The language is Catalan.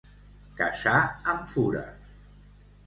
Caçar amb fura.